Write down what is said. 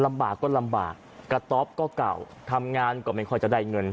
ลำบากก็ลำบากกระต๊อบก็เก่าทำงานก็ไม่ค่อยจะได้เงิน